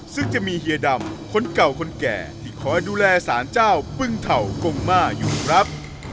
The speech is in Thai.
ซึ่งจะมีเฮียดำคนเก่าคนแก่ที่คอยดูแลสารเจ้าปึ้งเถ่ากงมาอยู่ครับ